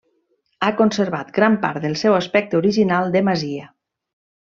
Ha conservat gran part del seu aspecte original de masia.